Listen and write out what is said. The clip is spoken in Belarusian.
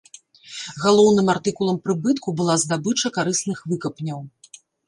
Галоўным артыкулам прыбытку была здабыча карысных выкапняў.